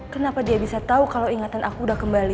kenapa dia bisa tahu kalau ingatan aku udah kembali